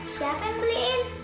siapa yang beliin